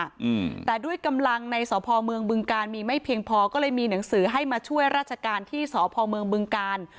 อืมแต่ด้วยกำลังในสพเมืองบึงการมีไม่เพียงพอก็เลยมีหนังสือให้มาช่วยราชการที่สพเมืองบึงกาล